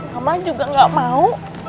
mama juga gak mau